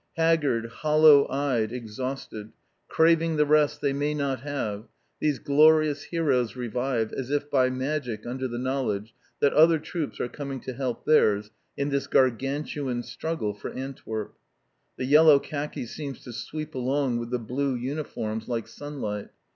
Haggard, hollow eyed, exhausted, craving the rest they may not have, these glorious heroes revive as if by magic under the knowledge that other troops are coming to help theirs in this gargantuan struggle for Antwerp. The yellow khaki seems to sweep along with the blue uniforms like sunlight.